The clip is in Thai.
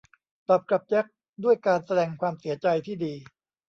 ตอบกลับแจ็คด้วยการแสดงความเสียใจที่ดี